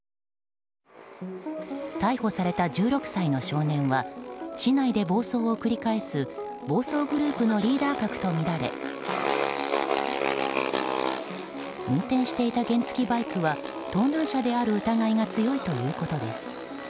逮捕された１６歳の少年は市内で暴走を繰り返す暴走グループのリーダー格とみられ運転していた原付きバイクは盗難車である疑いが強いということです。